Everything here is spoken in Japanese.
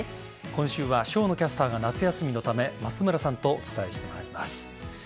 今週は生野キャスターが夏休みのため松村さんとお伝えしてまいります。